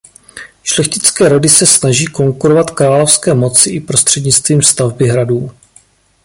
Šlechtické rody se snaží konkurovat královské moci i prostřednictvím stavby hradů.